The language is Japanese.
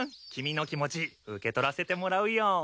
君の気持ち受け取らせてもらうよ。